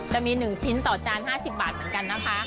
จะมี๑ชิ้นต่อจาน๕๐บาทเหมือนกันนะคะ